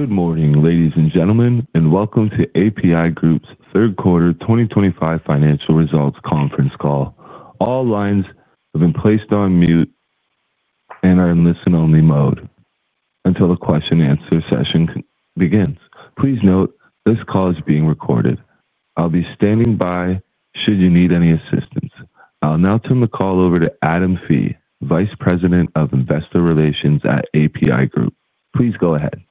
Good morning ladies and gentlemen and welcome to APi Group's third quarter 2025 financial results conference call. All lines have been placed on mute and are in listen only mode until the question and answer session begins. Please note this call is being recorded. I'll be standing by should you need any assistance. I'll now turn the call over to Adam Fee, Vice President of Investor Relations at APi Group. Please go ahead.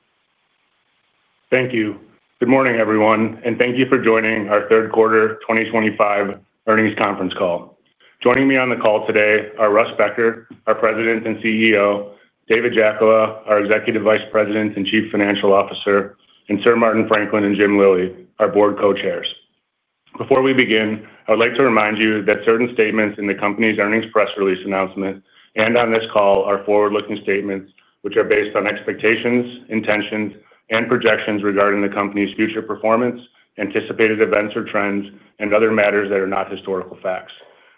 Thank you. Good morning everyone and thank you for joining our third quarter 2025 earnings conference call. Joining me on the call today are Russ Becker, our President and CEO, David Jackola, our Executive Vice President and Chief Financial Officer, and Sir Martin Franklin and Jim Lillie, our Board Co-Chairs. Before we begin, I would like to remind you that certain statements in the Company's earnings press release announcement and on this call are forward-looking statements which are based on expectations, intentions, and projections regarding the Company's future performance, anticipated events or trends, and other matters that are not historical facts.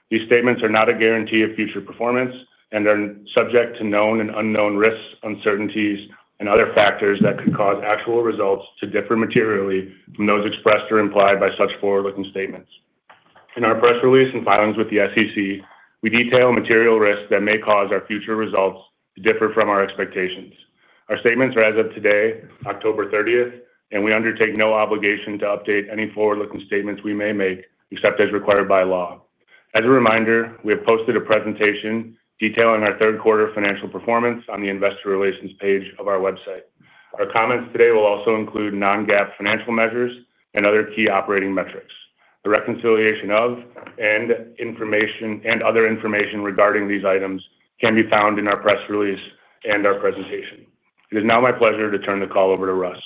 These statements are not a guarantee of future performance and are subject to known and unknown risks, uncertainties, and other factors that could cause actual results to differ materially from those expressed or implied by such forward-looking statements. In our press release and filings with the SEC, we detail material risks that may cause our future results to differ from our expectations. Our statements are as of today, October 30th, and we undertake no obligation to update any forward-looking statements we may make except as required by law. As a reminder, we have posted a presentation detailing our third-quarter financial performance on the investor relations page of our website. Our comments today will also include non-GAAP financial measures and other key operating metrics. The reconciliation of and information and other information regarding these items can be found in our press release and our presentation. It is now my pleasure to turn the call over to Russ.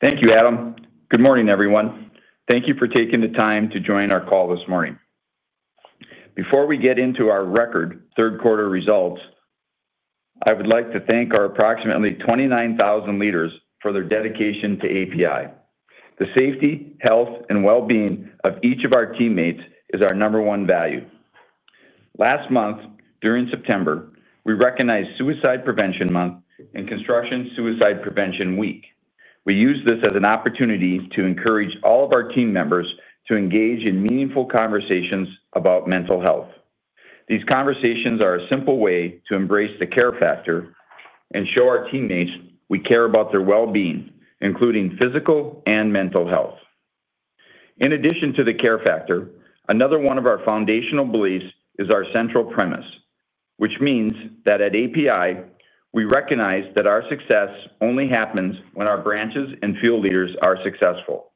Thank you, Adam. Good morning, everyone. Thank you for taking the time to join our call this morning. Before we get into our record third-quarter results, I would like to thank our approximately 29,000 leaders for their dedication to APi. The safety, health, and well-being of each of our teammates is our number one value. Last month, during September, we recognized Suicide Prevention Month and Construction Suicide Prevention Week. We use this as an opportunity to encourage all of our team members to engage in meaningful conversations about mental health. These conversations are a simple way to embrace the care factor and show our teammates we care about their well-being, including physical and mental health. In addition to the care factor, another one of our foundational beliefs is our central premise, which means that at APi we recognize that our success only happens when our branches and field leaders are successful.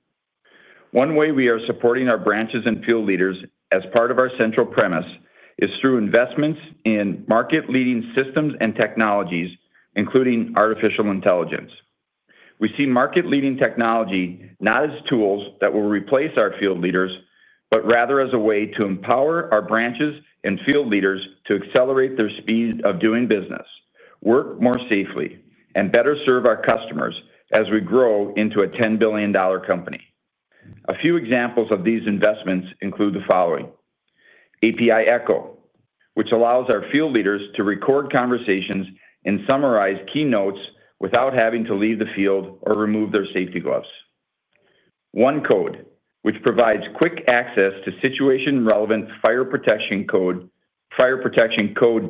One way we are supporting our branches and field leaders as part of our central premise is through investments in market-leading systems and technologies, including artificial intelligence. We see market-leading technology not as tools that will replace our field leaders, but rather as a way to empower our branches and field leaders to accelerate their speed of doing business, work more safely, and better serve our customers as we grow into a $10 billion company. A few examples of these investments include the following: APi Echo, which allows our field leaders to record conversations and summarize key notes without having to leave the field or remove their safety gloves; OneCode, which provides quick access to situation-relevant fire protection code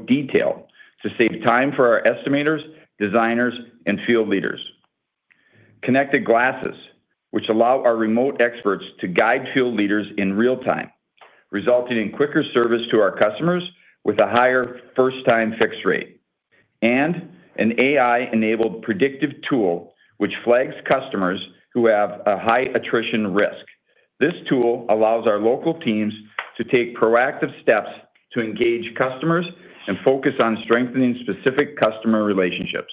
detail to save time for our estimators, designers, and field leaders; Connected Glasses, which allow our remote experts to guide field leaders in real time, resulting in quicker service to our customers with a higher first-time fix rate; and an AI-enabled predictive tool, which flags customers who have a high attrition risk. This tool allows our local teams to take proactive steps to engage customers and focus on strengthening specific customer relationships.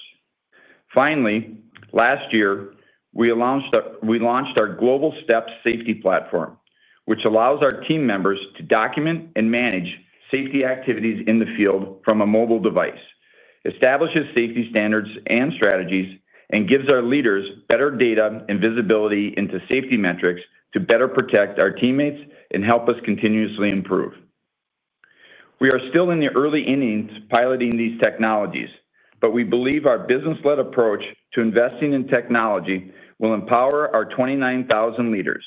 Finally, last year we launched our Global Step Safety platform, which allows our team members to document and manage safety activities in the field from a mobile device, establishes safety standards and strategies, and gives our leaders better data and visibility into safety metrics to better protect our teammates and help us continuously improve. We are still in the early innings piloting these technologies, but we believe our business-led approach to investing in technology will empower our 29,000 leaders,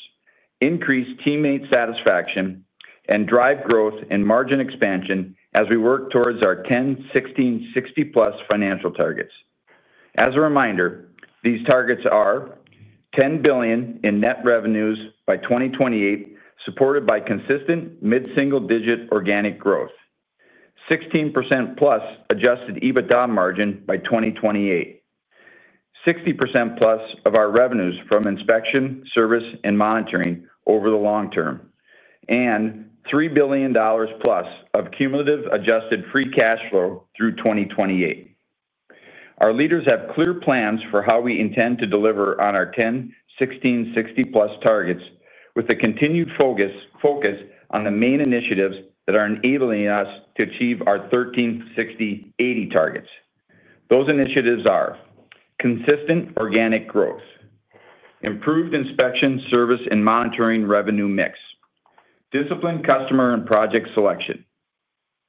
increase teammate satisfaction, and drive growth and margin expansion as we work towards our 10/16/60+ financial targets. As a reminder, these targets are $10 billion in net revenues by 2028 supported by consistent mid-single-digit organic growth, 16%+ adjusted EBITDA margin by 2028, 60%+ of our revenues from inspection, service, and monitoring over the long term, and $3+ billion of cumulative adjusted free cash flow through 2028. Our leaders have clear plans for how we intend to deliver on our 10/16/60+ targets with a continued focus on the main initiatives that are enabling us to achieve our 13-6-80 targets. Those initiatives are consistent organic growth, improved inspection, service, and monitoring revenue mix, disciplined customer and project selection,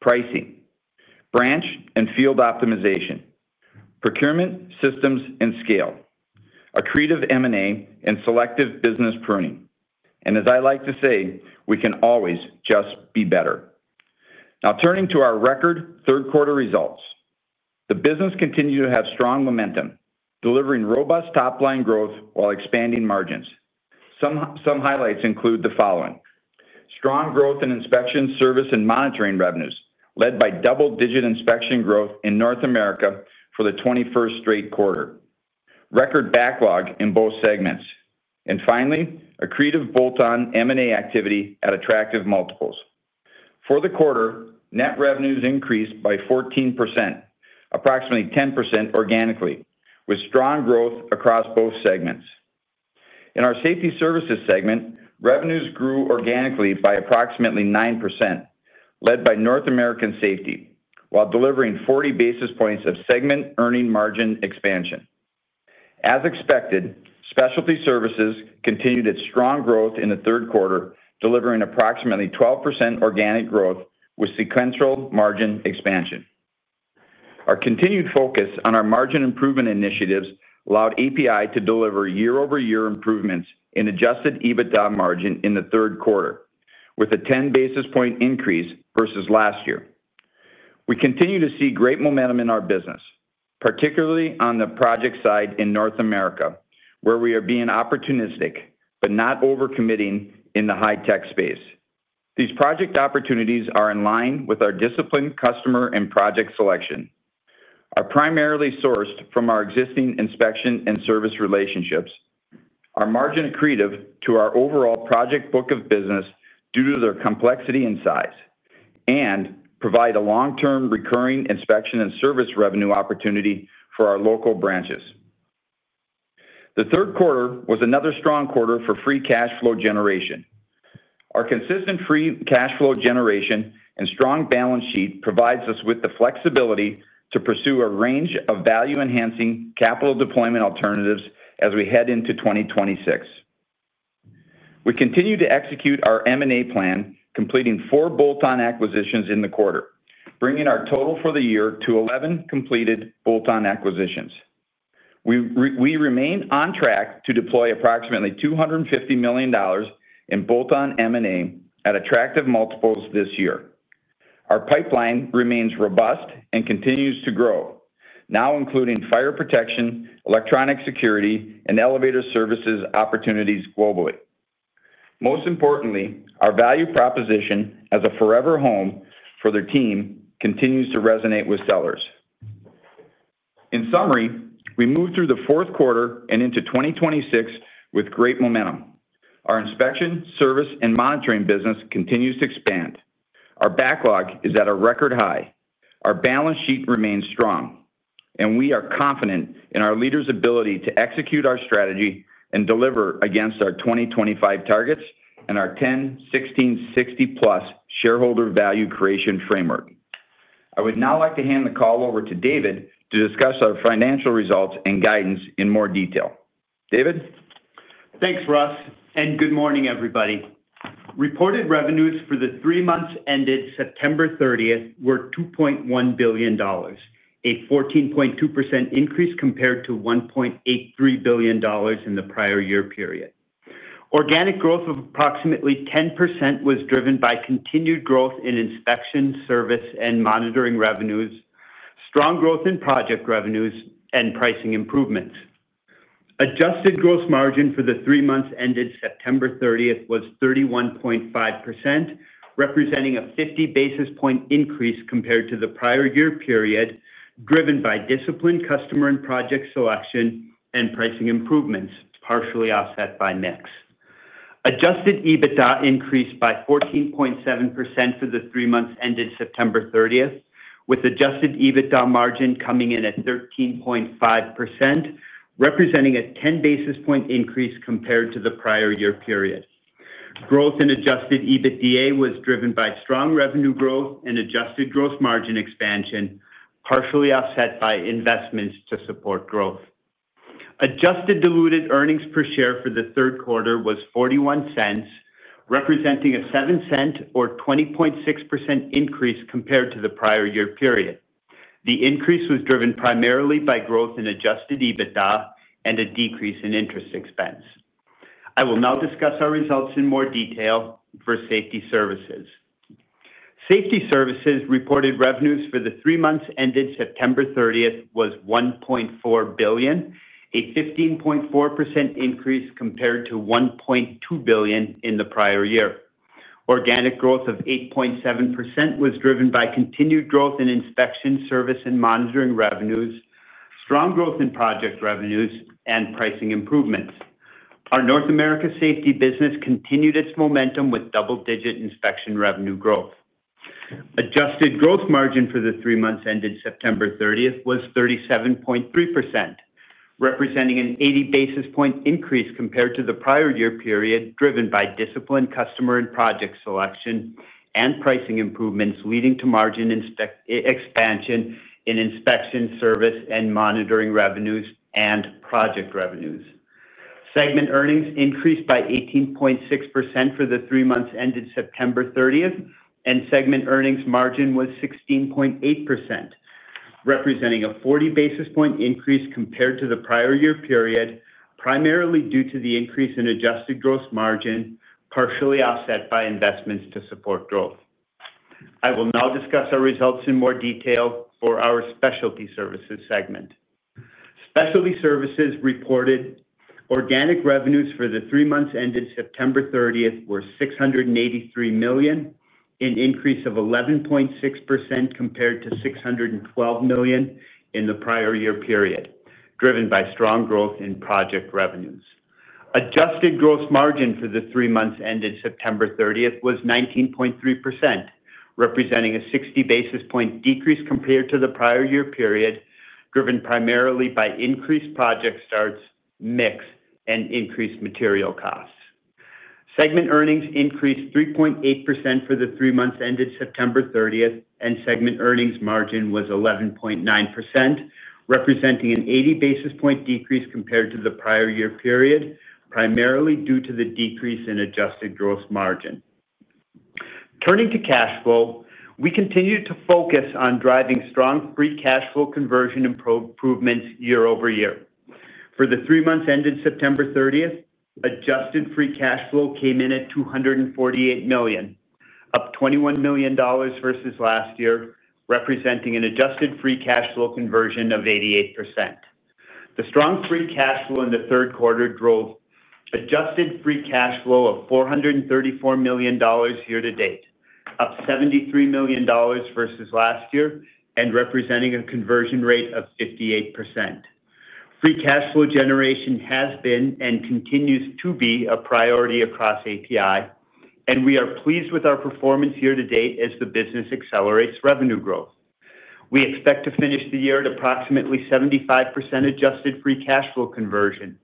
pricing, branch and field optimization, procurement systems and scale, accretive M&A, and selective business pruning, and as I like to say, we can always just be better. Now turning to our record third-quarter results, the business continued to have strong momentum, delivering robust top-line growth while expanding margins. Some highlights include the strong growth in inspection, service, and monitoring revenues led by double-digit inspection growth in North America for the 21st straight quarter, record backlog in both segments, and finally our accretive bolt-on M&A activity at attractive multiples. For the quarter, net revenues increased by 14%, approximately 10% organically, with strong growth across both segments. In our Safety Services segment, revenues grew organically by approximately 9% led by North American safety while delivering 40 basis points of segment earnings margin expansion. As expected, Specialty Services continued its strong growth in the third quarter, delivering approximately 12% organic growth with sequential margin expansion. Our continued focus on our margin improvement initiatives allowed APi to deliver year-over-year improvements in adjusted EBITDA margin in the third quarter with a 10 basis point increase versus last year. We continue to see great momentum in our business, particularly on the project side in North America where we are being opportunistic but not overcommitting in the high-tech space. These project opportunities are in line with our disciplined customer and project selection, are primarily sourced from our existing inspection and service relationships, are margin accretive to our overall project book of business due to their complexity and size, and provide a long-term recurring inspection and service revenue opportunity for our local branches. The third quarter was another strong quarter for free cash flow generation. Our consistent free cash flow generation and strong balance sheet provides us with the flexibility to pursue a range of value-enhancing capital deployment alternatives as we head into 2026. We continue to execute our M&A plan, completing four bolt-on acquisitions in the quarter, bringing our total for the year to 11 completed bolt-on acquisitions. We remain on track to deploy approximately $250 million in bolt-on M&A at attractive multiples this year. Our pipeline remains robust and continues to grow, now including fire protection, electronic security, and elevator services opportunities globally. Most importantly, our value proposition as a forever home for their team continues to resonate with sellers. In summary, we move through the fourth quarter and into 2026 with great momentum. Our inspection, service, and monitoring business continues to expand, our backlog is at a record high, our balance sheet remains strong, and we are confident in our leaders' ability to execute our strategy and deliver against our 2025 targets and our 10/16/60+ shareholder value creation framework. I would now like to hand the call over to David to discuss our financial results and guidance in more detail. David. Thanks Russ, and good morning everybody. Reported revenues for the three months ended September 30th were $2.1 billion, a 14.2% increase compared to $1.83 billion in the prior year period. Organic growth of approximately 10% was driven by continued growth in inspection, service, and monitoring revenues, strong growth in project revenues, and pricing improvements. Adjusted gross margin for the three months ended September 30th was 31.5%, representing a 50 basis point increase compared to the prior year period, driven by disciplined customer and project selection and pricing improvements, partially offset by mix. Adjusted EBITDA increased by 14.7% for the three months ended September 30th, with adjusted EBITDA margin coming in at 13.5%, representing a 10 basis point increase compared to the prior year period. Growth in adjusted EBITDA was driven by strong revenue growth and adjusted gross margin expansion, partially offset by investments to support growth. Adjusted diluted earnings per share for the third quarter was $0.41, representing a $0.07 or 20.6% increase compared to the prior year period. The increase was driven primarily by growth in adjusted EBITDA and a decrease in interest expense. I will now discuss our results in more detail for Safety Services. Safety Services reported revenues for the three months ended September 30th was $1.4 billion, a 15.4% increase compared to $1.2 billion in the prior year. Organic growth of 8.7% was driven by continued growth in inspection, service, and monitoring revenues, strong growth in project revenues, and pricing improvements. Our North America safety business continued its momentum with double-digit inspection revenue growth. Adjusted gross margin for the three months ended September 30th was 37.3%, representing an 80 basis point increase compared to the prior year period, driven by disciplined customer and project selection and pricing improvements, leading to margin expansion in inspection, service, and monitoring revenues and project revenues. Segment earnings increased by 18.6% for the three months ended September 30th, and segment earnings margin was 16.8%, representing a 40 basis point increase compared to the prior year period, primarily due to the increase in adjusted gross margin, partially offset by investments to support growth. I will now discuss our results in more detail for our Specialty Services segment. Specialty Services reported organic revenues for the three months ended September 30th were $683 million, an increase of 11.6% compared to $612 million in the prior year period, driven by strong growth in project revenues. Adjusted gross margin for the three months ended September 30th was 19.3%, representing a 60 basis point decrease compared to the prior year period, driven primarily by increased project starts mix and increased material costs. Segment earnings increased 3.8% for the three months ended September 30th and segment earnings margin was 11.9%, representing an 80 basis point decrease compared to the prior year period, primarily due to the decrease in adjusted gross margin. Turning to cash flow, we continue to focus on driving strong free cash flow conversion improvements year-over-year. For the three months ended September 30th, adjusted free cash flow came in at $248 million, up $21 million versus last year, representing an adjusted free cash flow conversion of 88%. The strong free cash flow in the third quarter drove adjusted free cash flow of $434 million year-to-date, up $73 million versus last year and representing a conversion rate of 58%. Free cash flow generation has been and continues to be a priority across APi and we are pleased with our performance year to date as the business accelerates revenue growth. We expect to finish the year at approximately 75% adjusted free cash flow conversion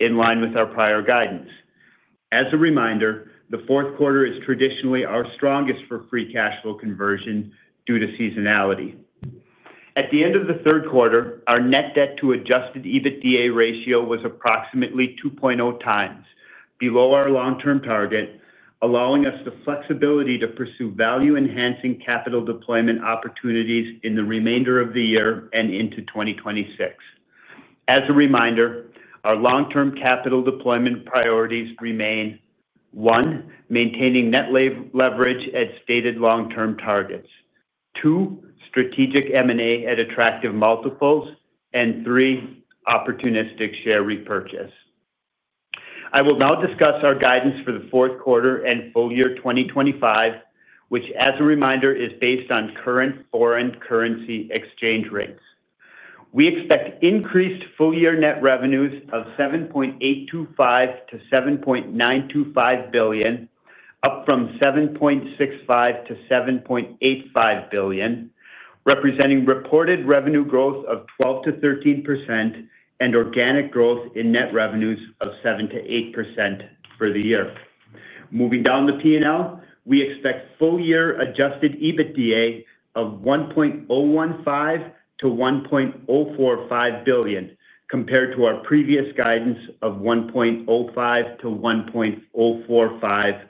in line with our prior guidance. As a reminder, the fourth quarter is traditionally our strongest for free cash flow conversion due to seasonality. At the end of the third quarter, our net debt to adjusted EBITDA ratio was approximately 2.0x, below our long term target, allowing us the flexibility to pursue value enhancing capital deployment opportunities in the remainder of the year and into 2026. As a reminder, our long term capital deployment priorities remain: 1. maintaining net leverage at stated long term targets, 2. strategic M&A at attractive multiples, and 3. opportunistic share repurchase. I will now discuss our guidance for the fourth quarter and full year 2025, which, as a reminder, is based on current foreign currency exchange rates. We expect increased full-year net revenues of $7.825 billion-$7.925 billion, up from $7.65 billion-$7.85 billion, representing reported revenue growth of 12%-13% and organic growth in net revenues of 7%-8% for the year. Moving down the P&L, we expect full-year adjusted EBITDA of $1.015 to $1.045 billion compared to our previous guidance of $1.05 to $1.045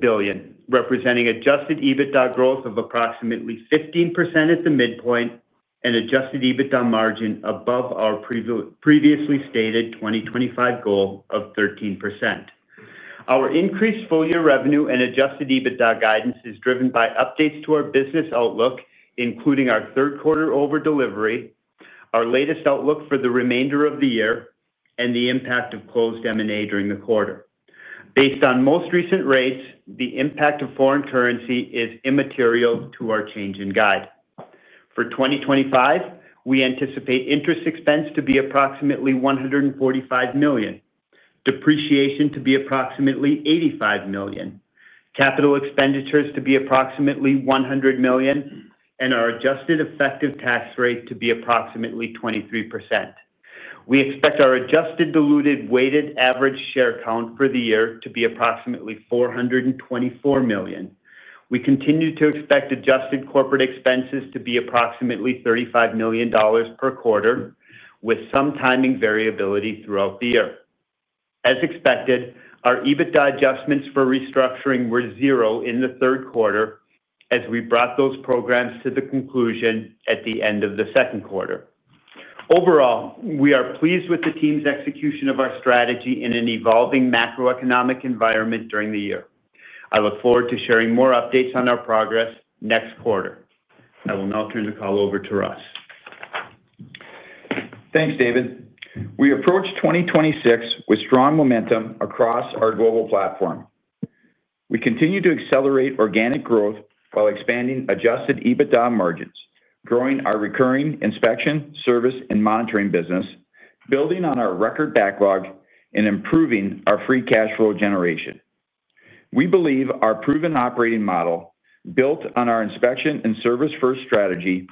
billion, representing adjusted EBITDA growth of approximately 15% at the midpoint and adjusted EBITDA margin above our previously stated 2025 goal of 13%. Our increased full-year revenue and adjusted EBITDA guidance is driven by updates to our business outlook, including our third-quarter overdelivery, our latest outlook for the remainder of the year, and the impact of closed M&A during the quarter based on most recent rates. The impact of foreign currency is immaterial to our change in guide. For 2025, we anticipate interest expense to be approximately $145 million, depreciation to be approximately $85 million, capital expenditures to be approximately $100 million, and our adjusted effective tax rate to be approximately 23%. We expect our adjusted diluted weighted average share count for the year to be approximately 424 million. We continue to expect adjusted corporate expenses to be approximately $35 million per quarter with some timing variability throughout the year. As expected, our EBITDA adjustments for restructuring were zero in the third quarter as we brought those programs to the conclusion at the end of the second quarter. Overall, we are pleased with the team's execution of our strategy in an evolving macroeconomic environment during the year. I look forward to sharing more updates on our progress next quarter. I will now turn the call over to Russ. Thanks, David. We approach 2026 with strong momentum across our global platform. We continue to accelerate organic growth while expanding adjusted EBITDA margins, growing our recurring inspection, service, and monitoring business, building on our record backlog, and improving our free cash flow generation. We believe our proven operating model, built on our inspection and service-first strategy,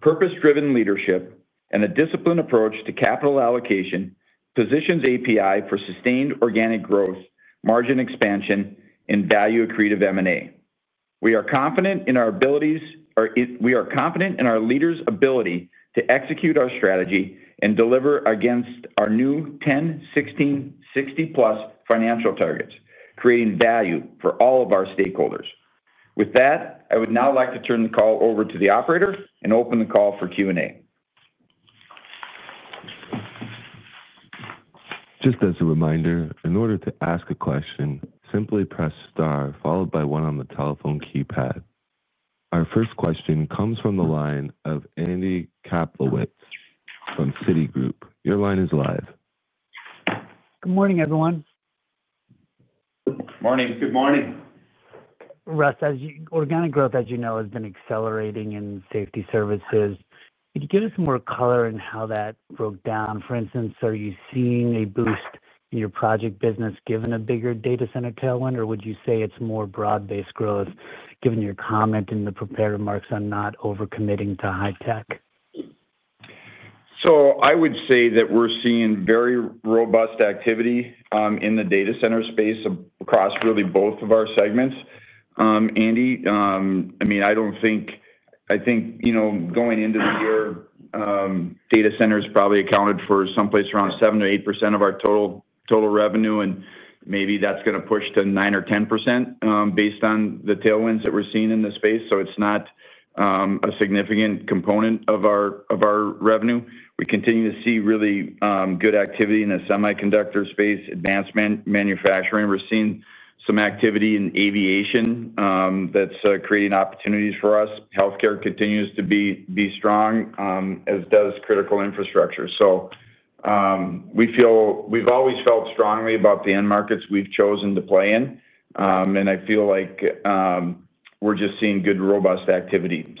purpose-driven leadership, and a disciplined approach to capital allocation, positions APi Group for sustained organic growth, margin expansion, and value-accretive M&A. We are confident in our abilities, and we are confident in our leaders' ability to execute our strategy and deliver against our new 10/16/60+ financial targets, creating value for all of our stakeholders. With that, I would now like to turn the call over to the operator and open the call for Q&A. Just as a reminder, in order to ask a question, simply press star followed by one on the telephone keypad. Our first question comes from the line of Andy Kaplowitz from Citigroup. Your line is live. Good morning, everyone. Morning. Good morning. Russ .Organic growth, as you know, has been accelerating in Safety Services. Could you give us more color in how that broke down? For instance, are you seeing a boost in your project business given a bigger data center tailwind? Or would you say it's more broad-based growth given your comment in the prepared remarks on not over committing to high tech? I would say that we're seeing very robust activity in the data center space across really both of our segments. I don't think, I think, you know, going into the year data centers probably accounted for someplace around 7%-8% of our total revenue and maybe that's going to push to 9% or 10% based on the tailwinds that we're seeing in the space. It's not a significant component of our revenue. We continue to see really good activity in the semiconductor space, advancement, manufacturing. We're seeing some activity in aviation that's creating opportunities for us. Health care continues to be strong, as does critical infrastructure. We feel, we've always felt strongly about the end markets we've chosen to play in. I feel like we're just seeing good robust activity.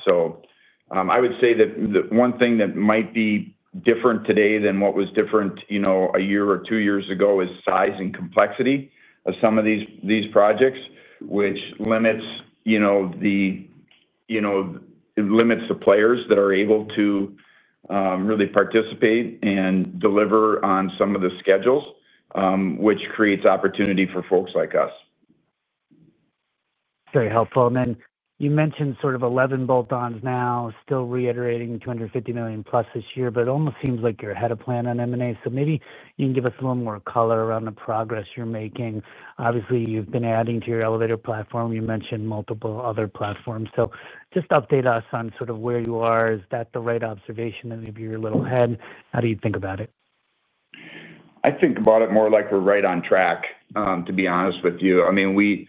I would say that one thing that might be different today than what was different a year or two years ago is size and complexity of some of these projects, which limits the players that are able to really participate and deliver on some of the schedules, which creates opportunity for folks like us. Very helpful. You mentioned sort of 11 bolt-ons now, still reiterating $250+ million this year, but it almost seems like you're ahead of plan on M&A. Maybe you can give us a little more color around the progress you're making. Obviously, you've been adding to your elevator platform. You mentioned multiple other platforms. Just update us on sort of where you are. Is that the right observation in maybe your little head? How do you think about it? I think about it more like we're right on track, to be honest with you. I mean, we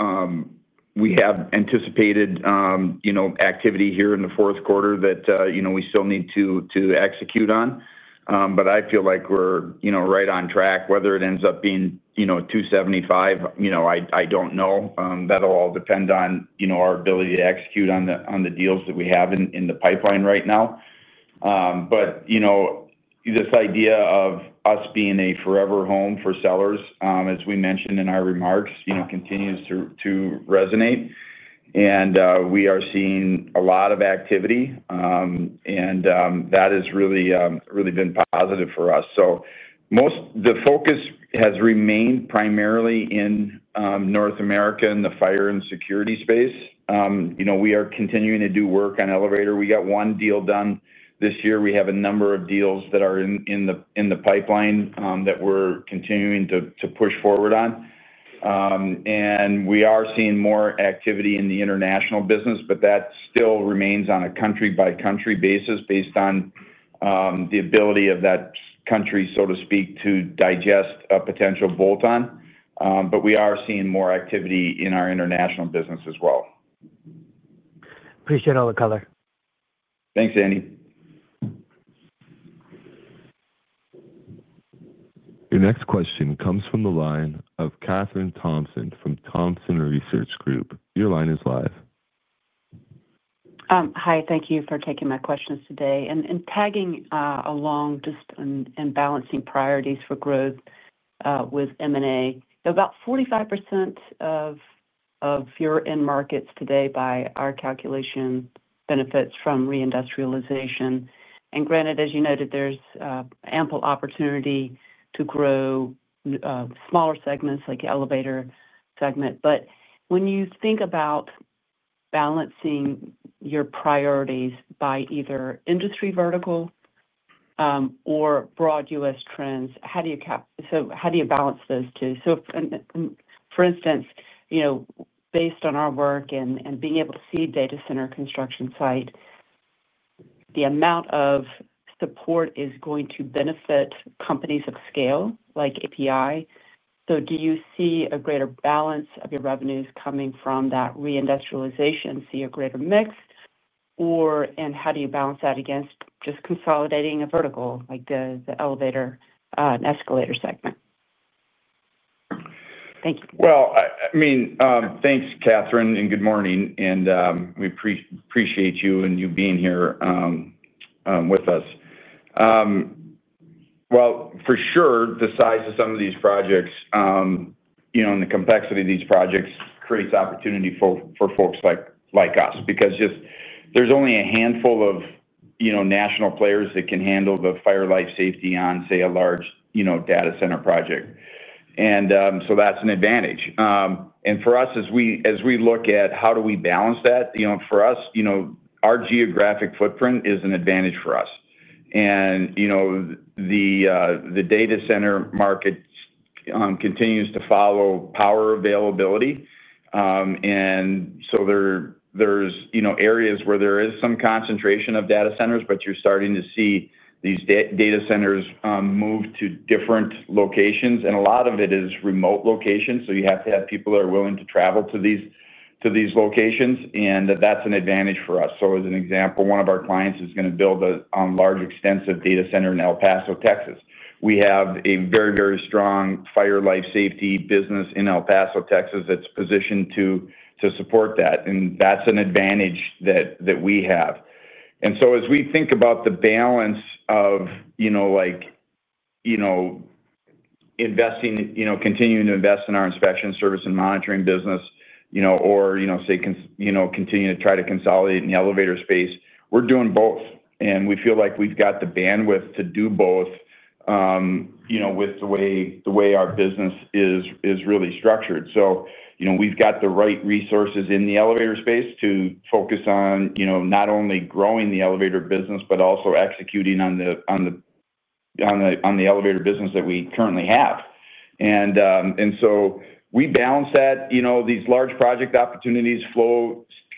have anticipated activity here in the fourth quarter that we still need to execute on, but I feel like we're right on track whether it ends up being $275 million, I don't know. That'll all depend on our ability to execute on the deals that we have in the pipeline right now. This idea of us being a forever home for sellers, as we mentioned in our remarks, continues to resonate and we are seeing a lot of activity and that has really, really been positive for us. Most of the focus has remained primarily in North America in the fire and security space. We are continuing to do work on elevator and escalator. We got one deal done this year. We have a number of deals that are in the pipeline that we're continuing to push forward on. We are seeing more activity in the international business, but that still remains on a country-by-country basis based on the ability of that country, so to speak, to digest a potential bolt-on. We are seeing more activity in our international business as well. Appreciate all the color. Thanks. Andy. Your next question comes from the line of Kathryn Thompson from Thompson Research Group. Your line is live. Hi, thank you for taking my questions today and tagging along. Just in balancing priorities for growth with M&A, about 45% of your end markets today by our calculation benefits from reindustrialization, and granted, as you noted, there's ample opportunity to grow smaller segments like the elevator segment. When you think about balancing your priorities by either industry vertical or broad U.S. trends, how do you cap? How do you balance those two? For instance, based on our work and being able to see data center construction site, the amount of support is going to benefit companies of scale like APi. Do you see a greater balance of your revenues coming from that reindustrialization, see a greater mix, or how do you balance that against just consolidating a vertical like the elevator and escalator segment? Thank you. Thank you, Kathryn, and good morning. We appreciate you being here with us. The size of some of these projects and the complexity of these projects creates opportunity for folks like us because there are only a handful of national players that can handle the fire and life safety on, say, a large data center project. That is an advantage. For us, as we look at how we balance that, our geographic footprint is an advantage, and the data center market continues to follow power availability. There are areas where there is some concentration of data centers, but you're starting to see these data centers move to different locations, and a lot of it is remote locations. You have to have people that are willing to travel to these locations, and that's an advantage for us. As an example, one of our clients is going to build a large, extensive data center in El Paso, Texas. We have a very strong fire and life safety business in El Paso, Texas that's positioned to support that, and that's an advantage that we have. As we think about the balance of investing, continuing to invest in our inspection, service, and monitoring business, or continuing to try to consolidate in the elevator and escalator space, we're doing both, and we feel like we've got the bandwidth to do both with the way our business is really structured. We've got the right resources in the elevator and escalator focus, not only growing the elevator business but also executing on the elevator business that we currently have. We balance that. These large project opportunities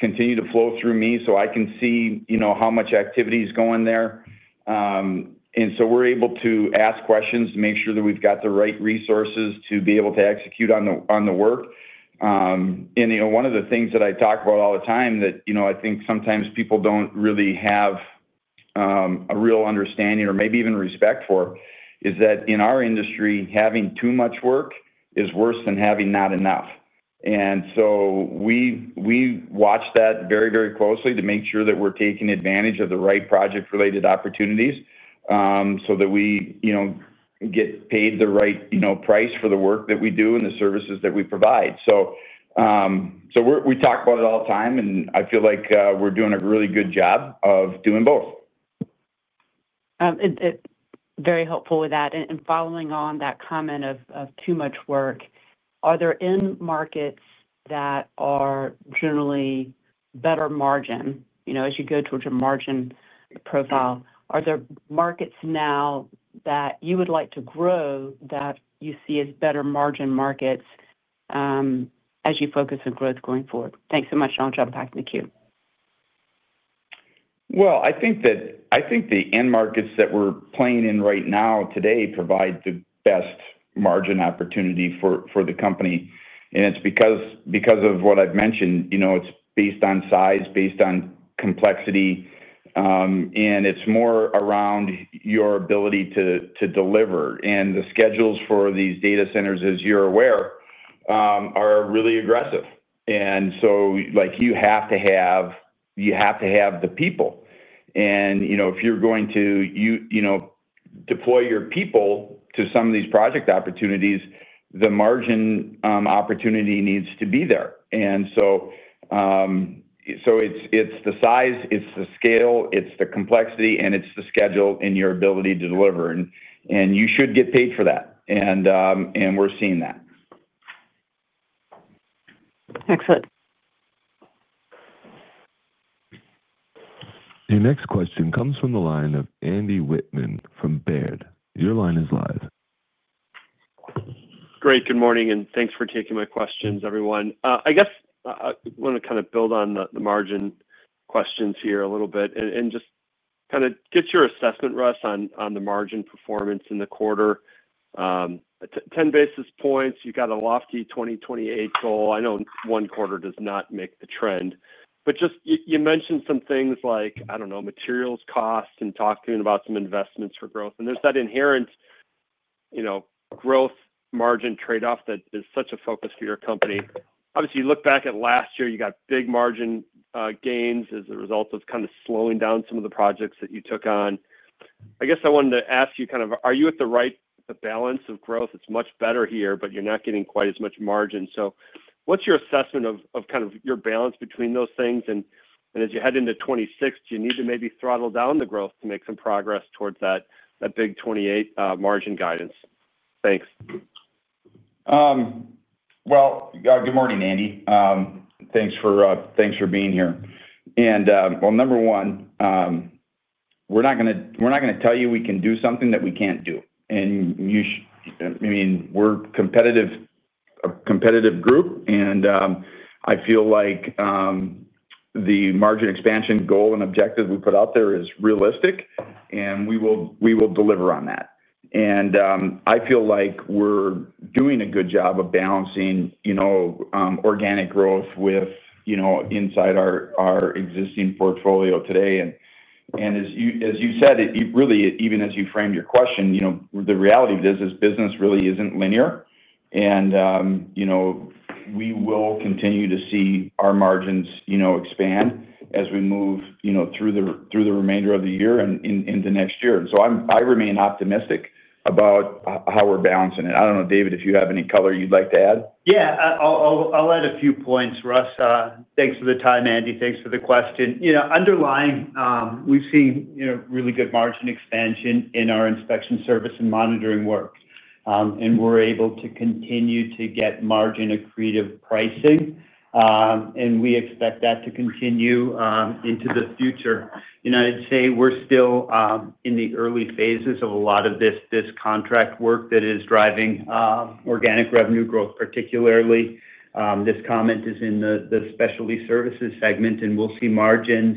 continue to flow through me, so I can see how much activity is going there. We're able to ask questions to make sure that we've got the right resources to be able to execute on the work. One of the things that I talk about all the time that I think sometimes people don't really have a real understanding or maybe even respect for is that in our industry, having too much work is worse than having not enough. We watch that very closely to make sure that we're taking advantage of the right project-related opportunities so that we get paid the right price for the work that we do and the services that we provide. We talk about it all the time, and I feel like we're doing a really good job of doing both. Very helpful with that. Following on that comment of too much work, are there end markets that are generally better margin, you know, as you go towards your margin profile, are there markets now that you would like to grow that you see as better margin markets as you focus on growth going forward? Thanks so much. I'll jump back in the queue. I think the end markets that we're playing in right now today provide the best margin opportunity for the company. It's because of what I've mentioned, it's based on size, based on complexity, and it's more around your ability to deliver. The schedules for these data centers, as you're aware, are really aggressive. You have to have the people, and if you're going to deploy your people to some of these project opportunities, the margin opportunity needs to be there. It's the size, it's the scale, it's the complexity, and it's the schedule in your ability to deliver, and you should get paid for that. We're seeing that. Excellent. Your next question comes from the line of Andy Wittman from Baird. Your line is live. Great. Good morning and thanks for taking my questions, everyone. I guess I want to kind of build on the margin questions here a little bit and just kind of get your assessment. Russ, on the margin performance in the quarter, 10 basis points, you got a lofty 2028 goal. I know one quarter does not make the trend, but just you mentioned some things like, I don't know, materials cost and talking about some investments for growth and there's that inherent, you know, growth margin trade off that is such a focus for your company. Obviously, you look back at last year, you got big margin gains as a result of kind of slowing down some of the projects that you took on. I guess I wanted to ask you kind of are you at the right balance of growth? It's much better here, but you're not getting quite as much margin. What's your assessment of kind of your balance between those things? As you head into 2026, do you need to maybe throttle down the growth, make some progress towards that big 2028 margin guidance? Thanks. Good morning, Andy. Thanks for being here. Number one, we're not going to tell you we can do something that we can't do. I mean, we're a competitive group and I feel like the margin expansion goal and objective we put out there is realistic and we will deliver on that. I feel like we're doing a good job of balancing organic growth within our existing portfolio today. As you said, really even as you framed your question, the reality of this business really isn't linear and we will continue to see our margins expand as we move through the remainder of the year and into next year. I remain optimistic about how we're balancing it. I don't know, David, if you have any color you'd like to add. Yeah, I'll add a few points. Russ, thanks for the time. Andy, thanks for the question. Underlying, we've seen really good margin expansion in our inspection, service, and monitoring work, and we're able to continue to get margin-accretive pricing, and we expect that to continue into the future. I'd say we're still in the early phases of a lot of this contract work that is driving organic revenue growth. Particularly, this comment is in the Specialty Services segment. We will see margins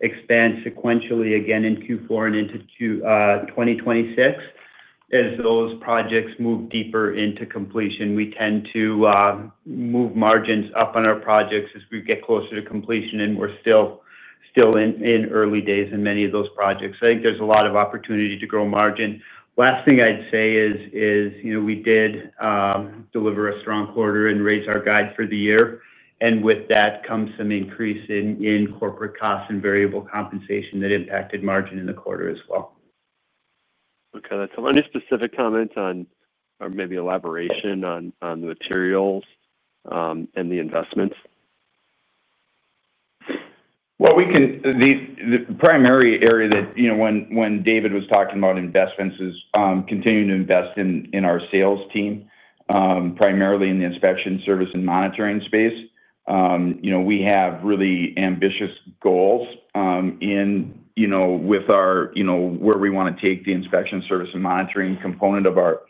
expand sequentially again in Q4 and into Q4 2026 as those projects move deeper into completion. We tend to move margins up on our projects as we get closer to completion, and we're still in early days in many of those projects. I think there's a lot of opportunity to grow margin. Last thing I'd say is we did deliver a strong quarter and raise our guide for the year. With that comes some increase in corporate costs and variable compensation that impacted margin in the quarter as well. Okay, that's any specific comments on or maybe elaboration on the materials and the investments? The primary area that, you know, when David was talking about investments is continuing to invest in our sales team, primarily in the inspection, service, and monitoring space. You know, we have really ambitious goals in, you know, with our, you know, where we want to take the inspection, service, and monitoring component of our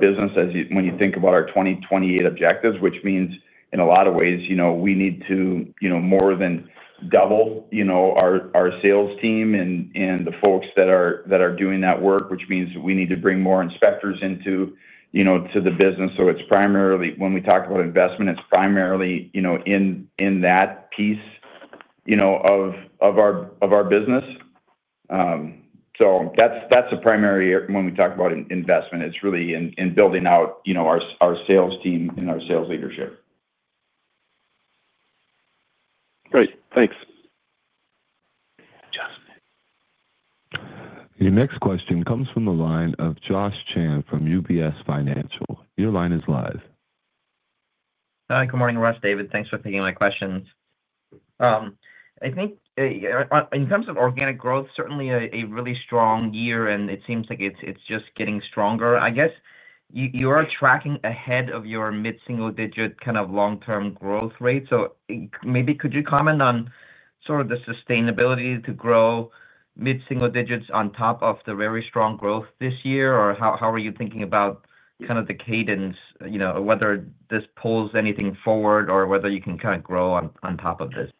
business. As you think about our 2028 objectives, which means in a lot of ways, you know, we need to, you know, more than double, you know, our sales team and the folks that are doing that work, which means we need to bring more inspectors into, you know, to the business. It's primarily, when we talk about investment, it's primarily, you know, in that piece of our business. That's a primary. When we talk about investment, it's really in building out our sales team and our sales leadership. Great, thanks. Your next question comes from the line of Josh Chan from UBS Financial. Your line is live. Good morning, Russ. David, thanks for taking my questions. I think in terms of organic growth, certainly, a really strong year and it seems like it's just getting stronger. I guess you are tracking ahead of your mid single digit kind of long term growth rate. Maybe could you comment on sort of the sustainability to grow mid single digits on top of the very strong growth this year or how are you thinking about kind of the cadence, whether this pulls anything forward or whether you can kind of grow on top of this?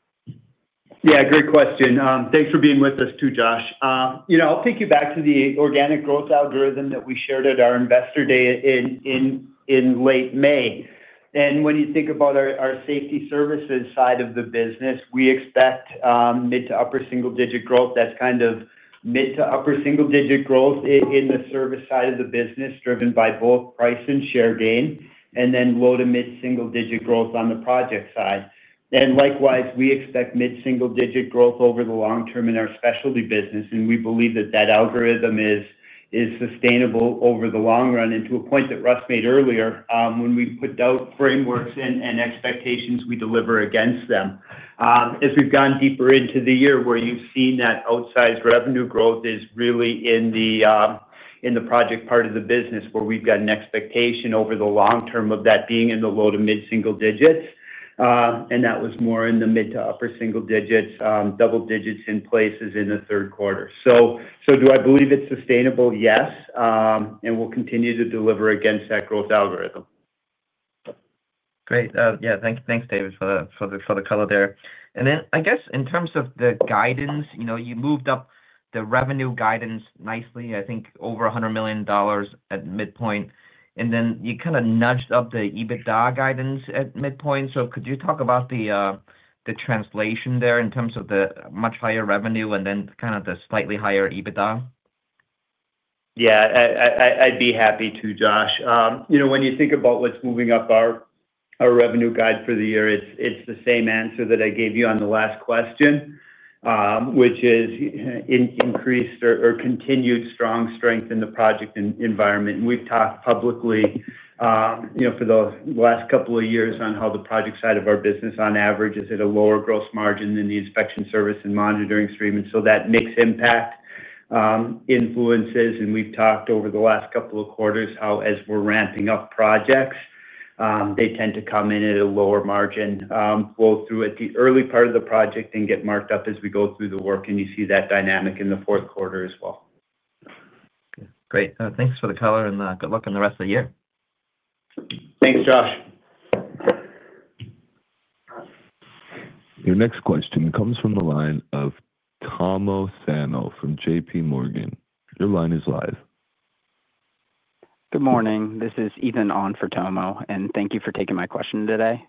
Yeah, great question. Thanks for being with us too, Josh. I'll take you back to the organic growth algorithm that we shared at our investor day in late May. When you think about our Safety Services side of the business, we expect mid to upper single digit growth. That's kind of mid to upper single digit growth in the service side of the business driven by both price and share gain and then low to mid single digit growth on the project side. Likewise, we expect mid single digit growth over the long term in our Specialty Services business. We believe that that algorithm is sustainable over the long run. To a point that Russ Becker made earlier, when we put out frameworks and expectations, we deliver against them. As we've gone deeper into the year where you've seen that outsized revenue growth is really in the project part of the business where we've got an expectation over the long term of that being in the low to mid single digits. That was more in the mid to upper single digits, double digits in places in the third quarter. Do I believe it's sustainable? Yes. We'll continue to deliver against that growth algorithm. Great. Yeah, thanks, David, for the color there. In terms of the guidance, you moved up the revenue guidance nicely, I think over $100 million at midpoint, and then you kind of nudged up the EBITDA guidance at midpoint. Could you talk about the translation there in terms of the much higher revenue and then kind of the slightly higher EBITDA? Yeah, I'd be happy to, Josh. When you think about what's moving up our revenue guide for the year, it's the same answer that I gave you on the last question, which is increased or continued strong strength in the project environment. We've talked publicly for the last couple of years on how the project side of our business on average is at a lower gross margin than the inspection, service, and monitoring stream. That mix impact influences, and we've talked over the last couple of quarters how as we're ramping up projects, they tend to come in at a lower margin, flow through at the early part of the project, and get marked up as we go through. You see that dynamic in the fourth quarter as well. Great. Thanks for the color and good luck on the rest of the year. Thanks, Josh. Your next question comes from the line of Tomo Sano from JPMorgan. Your line is live. Good morning. This is Ethan on for Tomo. Thank you for taking my question today.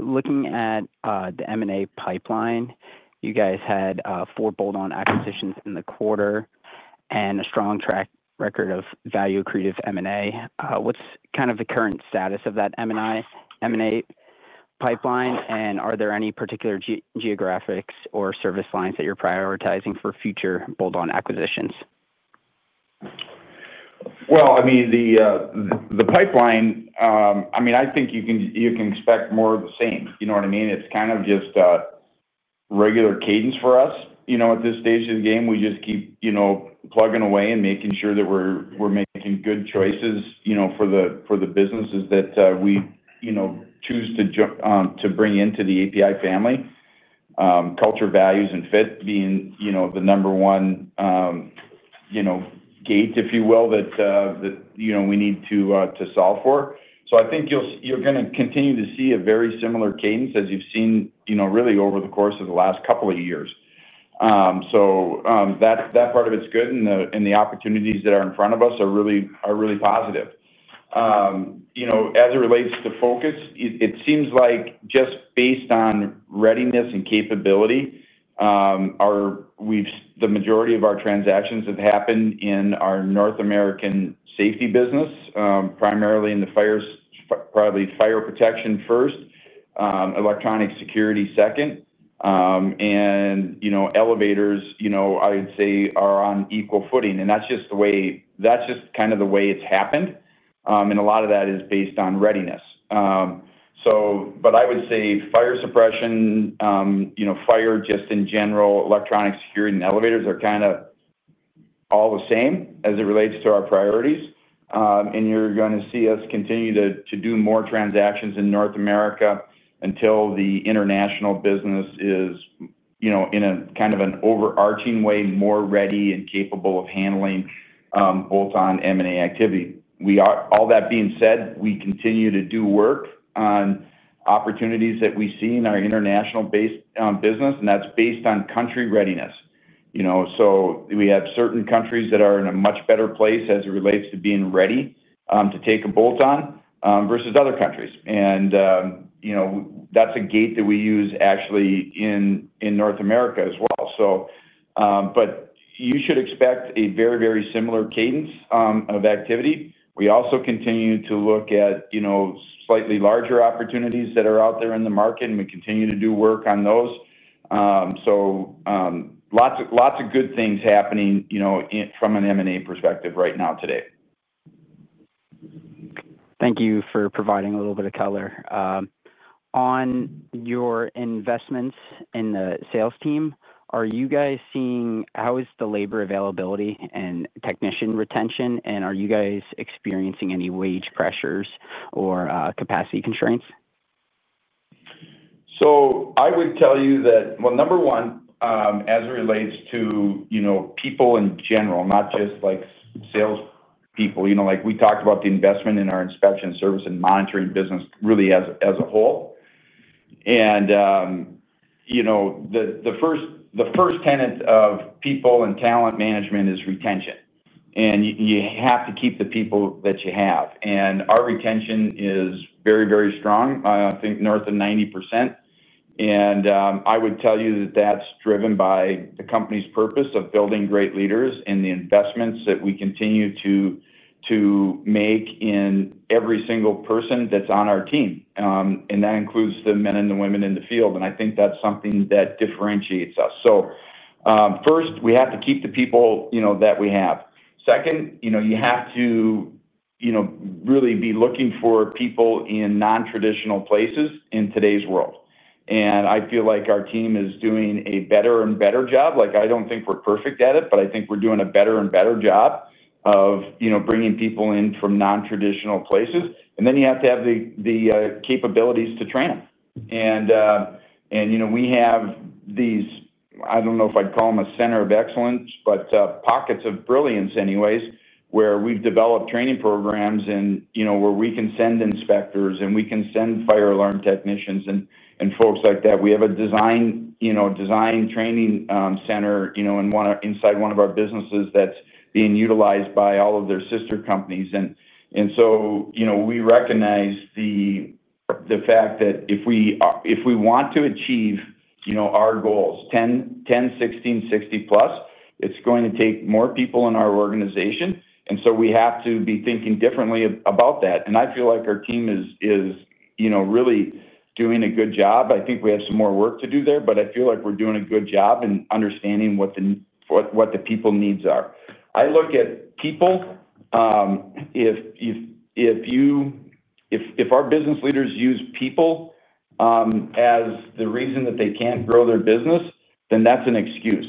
Looking at the M&A pipeline, you guys had 4 bolt-on acquisitions in the quarter and a strong track record of value-accretive M&A. What's kind of the current status of that M&A pipeline? Are there any particular geographics or service lines that you're prioritizing for future bolt-on acquisitions? The pipeline, I think you can expect more of the same. You know what I mean? It's kind of just regular cadence for us at this stage of the game. We just keep plugging away and making sure that we're making good choices for the businesses that we choose to bring into the APi family. Culture, values, and fit being the number one gate, if you will, that we need to solve for. I think you're going to continue to see a very similar cadence as you've seen really over the course of the last couple of years. That part of it's good, and the opportunities that are in front of us are really positive as it relates to focus. It seems like just based on readiness and capability, the majority of our transactions have happened in our North America safety business, primarily in fire protection first, electronic security second, and elevators are on equal footing. That's just kind of the way it's happened, and a lot of that is based on readiness. I would say fire suppression, fire protection in general, electronic security, and elevators are kind of all the same as it relates to our priorities. You're going to see us continue to do more transactions in North America until the international business is, in a kind of an overarching way, more ready and capable of handling bolt-on M&A activity. All that being said, we continue to do work on opportunities that we see in our international-based business, and that's based on country readiness. We have certain countries that are in a much better place as it relates to being ready to take a bolt-on versus other countries, and that's a gate that we use actually in North America as well. You should expect a very, very similar cadence of activity. We also continue to look at slightly larger opportunities that are out there in the market, and we continue to do work on those. Lots of good things happening from an M&A perspective right now today. Thank you for providing a little bit of color on your investments in the sales team. Are you guys seeing how is the labor availability and technician retention, and are you guys experiencing any wage pressures or capacity constraints? I would tell you that, number one, as it relates to people in general, not just salespeople, we talked about the investment in our inspection, service, and monitoring business really as a whole. The first tenet of people and talent management is retention, and you have to keep the people that you have. Our retention is very, very strong, I think north of 90%, and I would tell you that that's driven by the company's purpose of building great leaders and the investments that we continue to make in every single person that's on our team. That includes the men and the women in the field, and I think that's something that differentiates us. First, we have to keep the people that we have. Second, you have to really be looking for people in non-traditional places in today's world. I feel like our team is doing a better and better job. I don't think we're perfect at it, but I think we're doing a better and better job of bringing people in from non-traditional places. Then you have to have the capabilities to train them. We have these, I don't know if I'd call them a center of excellence, but pockets of brilliance anyways, where we've developed training programs and where we can send inspectors and we can send fire alarm technicians and folks like that. We have a design training center inside one of our businesses that's being utilized by all of their sister companies. We recognize the fact that if we want to achieve our goals, 10/16/60+, it's going to take more people in our organization, and we have to be thinking differently about that. I feel like our team is really doing a good job. I think we have some more work to do there, but I feel like we're doing a good job in understanding what the people needs are. I look at people. If our business leaders use people as the reason that they can't grow their business, then that's an excuse.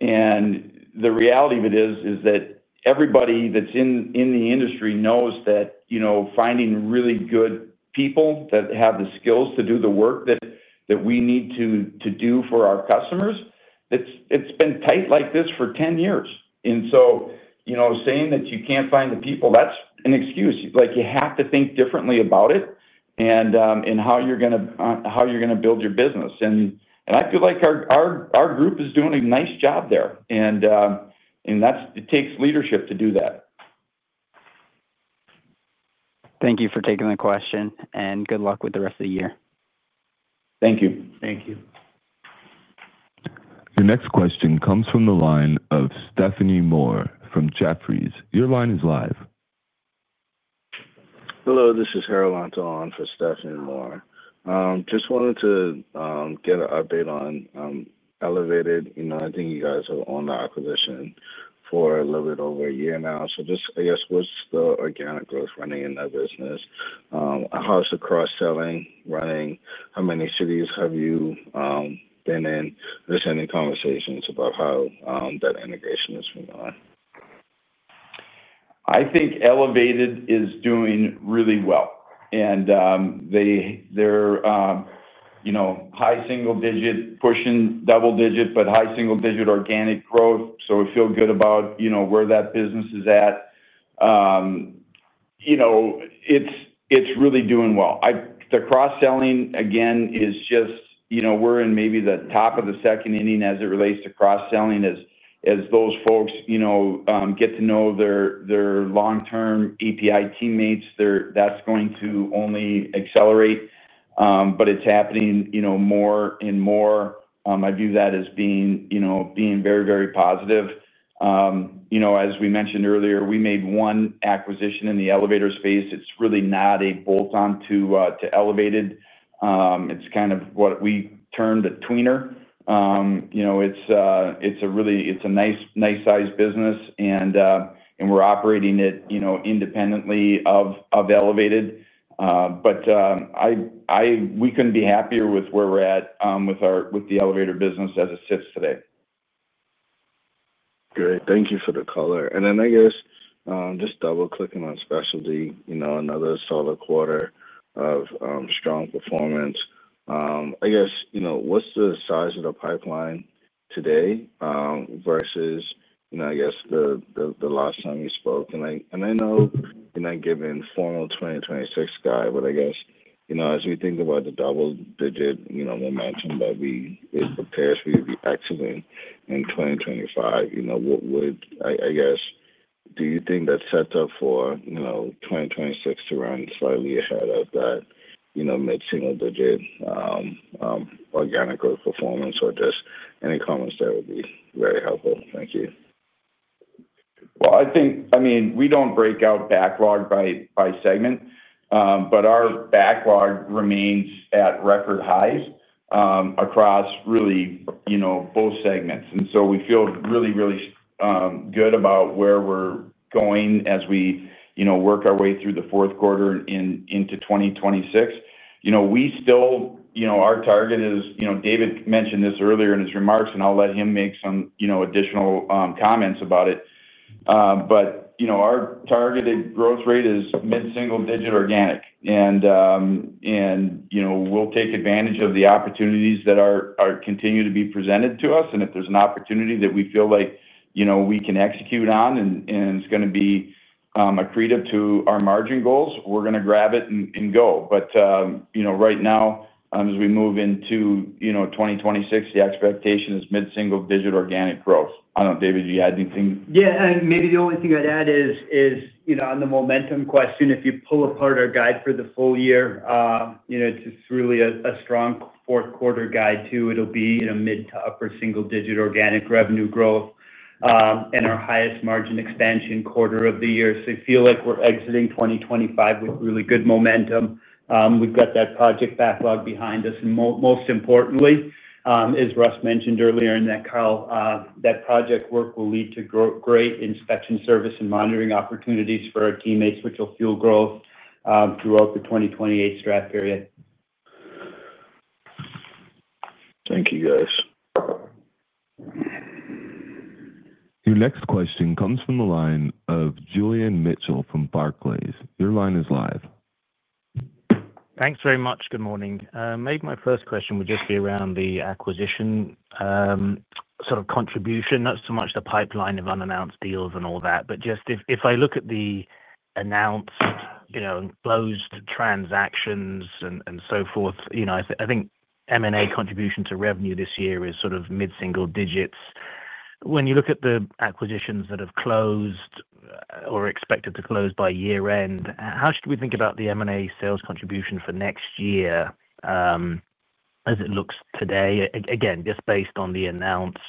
The reality of it is that everybody that's in the industry knows that finding really good people that have the skills to do the work that we need to do for our customers, it's been tight like this for 10 years. Saying that you can't find the people, that's an excuse. You have to think differently about it and how you're going to build your business. I feel like our group is doing a nice job there, and it takes leadership to do that. Thank you for taking the question, and good luck with the rest of the year. Thank you. Thank you. Your next question comes from the line of Stephanie Moore from Jefferies. Your line is live. Hello, this is Harold on for Stephanie Moore. Just wanted to get an update on elevator and escalator. I think you guys are on the acquisition for a little bit over a year now. I guess what's the organic. Growth running in that business? How's the cross-selling running? How many cities have you been in? Are there any conversations about how that integration is? I think Elevated is doing really well and they're, you know, high single digit pushing, double digit, but high single digit organic growth. We feel good about, you know, where that business is at. You know, it's really doing well. The cross-selling again is just, you know, we're in maybe the top of the second inning as it relates to cross-selling. As those folks, you know, get to know their long-term APi teammates, that's going to only accelerate, but it's happening more and more. I view that as being very, very positive. As we mentioned earlier, we made one acquisition in the elevator space. It's really not a bolt-on to Elevated. It's kind of what we termed a tweener. It's a really, it's a nice size business and we're operating it independently of Elevated. We couldn't be happier with where we're at with the elevator business as it sits today. Great, thank you for the color. I guess just double-clicking on Specialty Services. Another solid quarter of strong performance. I guess what's the size of the pipeline today versus the last time you spoke? I know you're not giving formal 2026 guidance, but I guess as we think about the double-digit momentum that prepares you to be excellent in 2025. What would, I guess, do you think that sets up for 2026 to run slightly ahead of that mid single-digit organic growth performance, or just any comments there would be very helpful. Thank you. I mean, we don't break out backlog by segment, but our backlog remains at record highs across really, you know, both segments. We feel really, really good about where we're going as we work our way through the fourth quarter into 2026. You know, our target is, you know, David mentioned this earlier in his remarks and I'll let him make some additional comments about it. You know, our targeted growth rate is mid single digit organic and, you know, we'll take advantage of the opportunities that continue to be presented to us and if there's an opportunity that we feel like, you know, we can execute on and it's going to be accretive to our margin goals, we're going to grab it and go. Right now, as we move into 2026, the expectation is mid-single-digit organic growth. I don't know. David, you had anything? Yeah, maybe the only thing I'd add is on the momentum question. If you pull apart our guide for the full year, it's really a strong fourth quarter guide too. It'll be mid to upper single digit organic revenue growth and our highest margin expansion quarter of the year. I feel like we're exiting 2025 with really good momentum. We've got that project backlog behind us and most importantly, as Russ mentioned earlier, that project work will lead to great inspection, service, and monitoring opportunities for our teammates, which will fuel growth throughout the 2028 strat period. Thank you, guys. Your next question comes from the line of Julian Mitchell from Barclays. Your line is live. Thanks very much. Good morning. Maybe my first question would just be around the acquisition sort of contribution, not so much the pipeline of unannounced deals and all that. If I look at the announced, you know, closed transactions and so forth, I think M&A contribution to revenue this year is sort of mid single digits. When you look at the acquisitions that have closed or are expected to close by year end, how should we think about the M&A sales contribution for next year as it looks today? Again, just based on the announced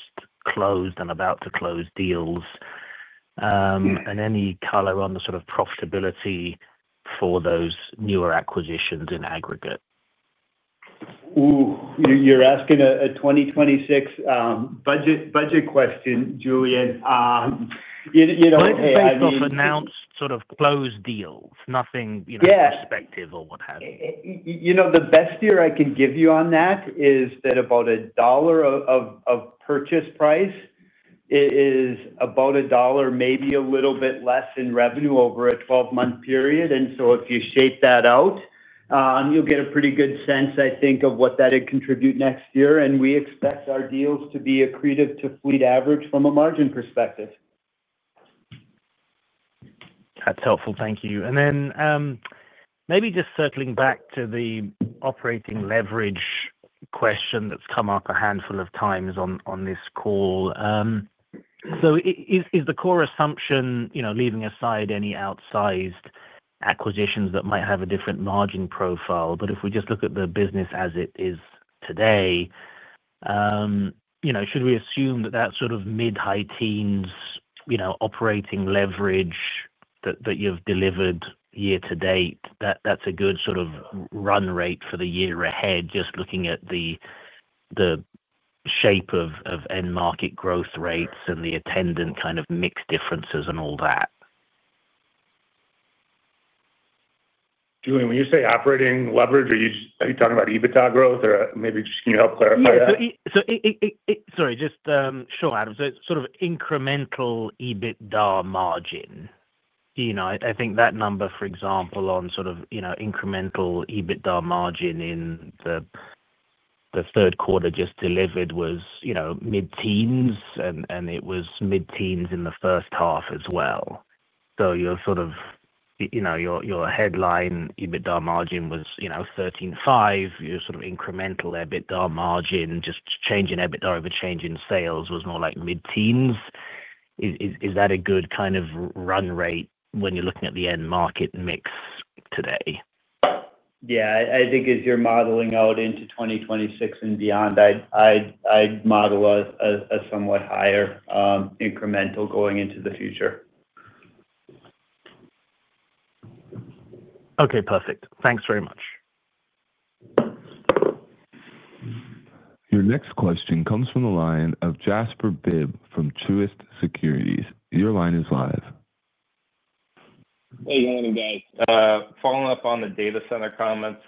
closed and about to close deals, and any color on the sort of profitability for those newer acquisitions in aggregate? You're asking a 2026 budget question, Julian. Announced sort of close deals, nothing prospective or what have you. The best year I can give you on that is that about $1 of purchase price is about $1, maybe a little bit less, in revenue over a 12-month period. If you shape that out, you'll get a pretty good sense, I think, of what that would contribute next year. We expect our deals to be accretive to fleet average from a margin perspective. That's helpful, thank you. Maybe just circling back to the operating leverage question that's come up a handful of times on this call. Is the core assumption, leaving aside any outsized acquisitions that might have a different margin profile, if we just look at the business as it is today, should we assume that that sort of mid high teens operating leverage that you've delivered year to date, that's a good sort of run rate for the year ahead? Just looking at the shape of end market growth rates and the attendant kind of mix differences and all that. Julian, when you say operating leverage, are you talking about EBITDA growth or maybe just, can you help clarify? Sorry. Sure, Adam. Incremental EBITDA margin, I think that number for example on incremental EBITDA margin in the third quarter just delivered was mid teens, and it was mid teens in the first half as well. Your headline EBITDA margin was 13.5%. Your incremental EBITDA margin, just change in EBITDA over change in sales, was more like mid teens. Is that a good kind of run rate when you're looking at the end market mix today? I think as you're modeling out into 2026 and beyond, I'd model a somewhat higher incremental going into the future. Okay, perfect. Thanks very much. Your next question comes from the line of Jasper Bibb from Truist Securities. Your line is live. it going, guys. Following up on the data centers comments.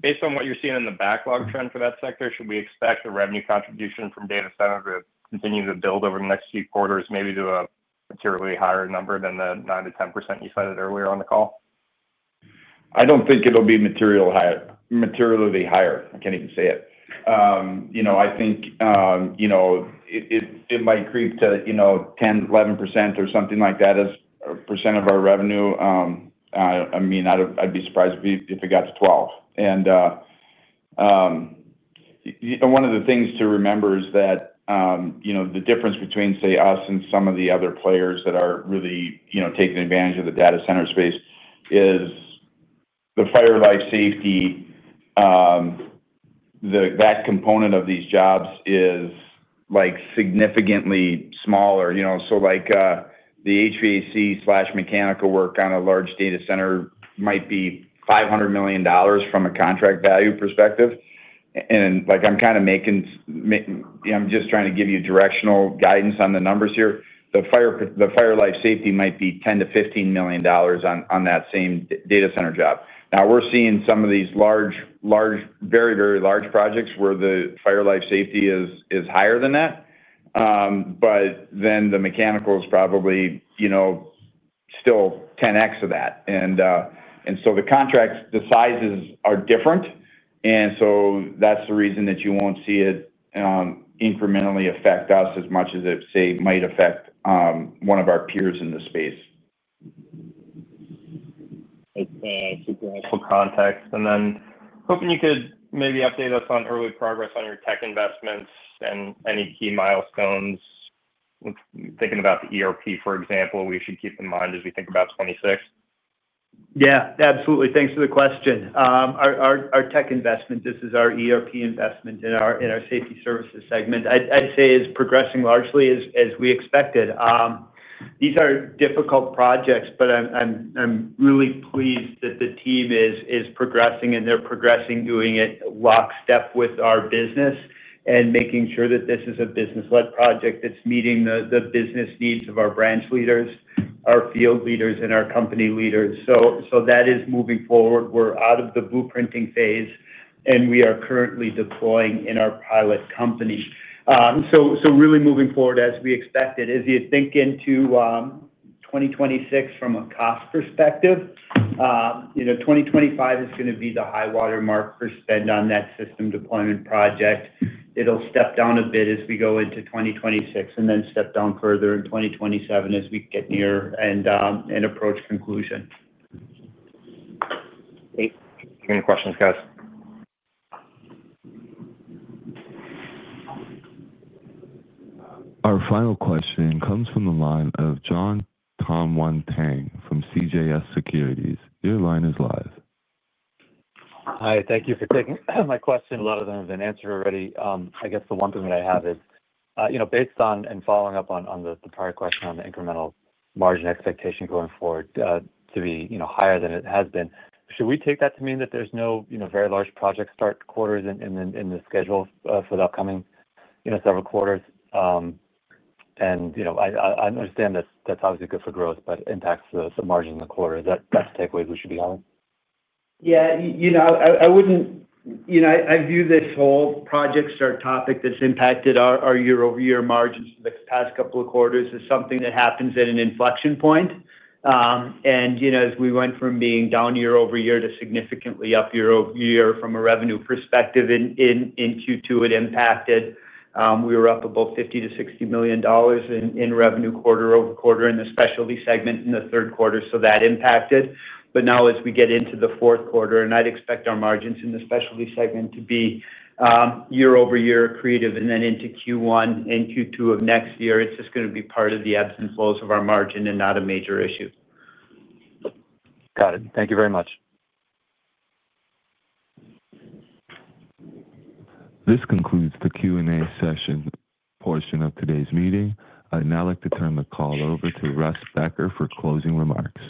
Based on what you're seeing in the backlog trend for that sector, should we expect the revenue contribution from data centers. To continue to build over the next few quarters? Maybe to a materially higher number than the 9%-10% you cited earlier on the call? I don't think it'll be materially higher. I can't even say it. I think it might creep to 10%, 11% or something like that as a percent of our revenue. I mean, I'd be surprised if it got to 12%. One of the things to remember is that the difference between us and some of the other players that are really taking advantage of the data center space is the fire and life safety. That component of these jobs is significantly smaller. The HVAC mechanical work on a large data center might be $500 million from a contract value perspective. I'm just trying to give you directional guidance on the numbers here. The fire and life safety might be $10 million to $15 million on that same data center job. Now we're seeing some of these very, very large projects where the fire and life safety is higher than that, but the mechanical is probably still 10x of that. The contract sizes are different, and that's the reason that you won't see it incrementally affect us as much as it might affect one of our peers in the space. Super helpful context. Hoping you could maybe update us on early progress on your tech investments and any key milestones. Thinking about the ERP, for example, we should keep in mind as we think about 2026. Yeah, absolutely. Thanks for the question. Our tech investment, this is our ERP investment in our Safety Services segment, I'd say is progressing largely as we expected. These are difficult projects, but I'm really pleased that the team is progressing and they're progressing, doing it lockstep with our business and making sure that this is a business-led project that's meeting the business needs of our branch leaders, our field leaders, and our company leaders. That is moving forward. We're out of the blueprinting phase, and we are currently deploying in our pilot company. Really moving, forward as we expected, as you think, into 2026 from a cost perspective, you know, 2025 is going to be the high-water mark for spend on that system deployment project. It'll step down a bit as we go into 2026 and then step down further in 2027 as we get near and approach conclusion. Any questions, guys? Our final question comes from the line of Jon Tanwanteng from CJS Securities. Your line is live. Hi, thank you for taking my question. A lot of them have been answered already. I guess the one thing that I have is, you know, based on and following up on the prior question. The incremental margin expectation going forward, too. Should we take that to mean that there's no very large project start quarters in the schedule for the upcoming several quarters? I understand that that's obviously good for growth, but impacts the margin in the quarter. That's the takeaway that we should be having. Yeah, you know, I wouldn't, you know, I view this whole projects are a topic that's impacted our year-over-year margins. The past couple of quarters is something that happens at an inflection point. As we went from being down year-over-year to significantly up year-over-year from a revenue perspective in Q2, it impacted, we were up about $50 million-$60 million in revenue quarter-over-quarter in the Specialty Services segment in the third quarter. That impacted. Now, as we get into the fourth quarter, I'd expect our margins in the Specialty Services segment to be year-over-year accretive and then into Q1 and Q2 of next year, it's just going to be part of the ebbs and flows of our margin and not a major issue. Got it. Thank you very much. This concludes the Q&A session portion of today's meeting. I'd now like to turn the call over to Russ Becker for closing remarks.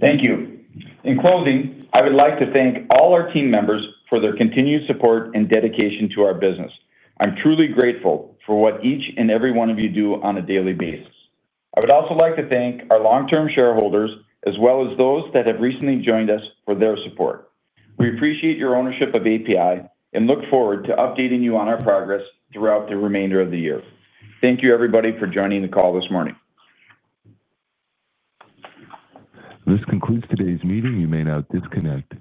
Thank you. In closing, I would like to thank all our team members for their continued support and dedication to our business. I'm truly grateful for what each and every one of you do on a daily basis. I would also like to thank our long-term shareholders as well as those that have recently joined us for their support. We appreciate your ownership of APi and look forward to updating you on our progress throughout the remainder of the year. Thank you, everybody, for joining the call this morning. This concludes today's meeting. You may now disconnect.